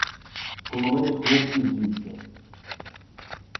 Коло мене хлопці в'ються